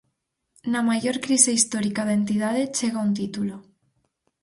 Na maior crise histórica da entidade chega un título.